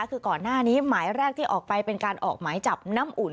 คือก่อนหน้านี้หมายแรกที่ออกไปเป็นการออกหมายจับน้ำอุ่น